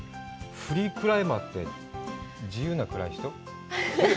フリークライマーって自由な暗い人？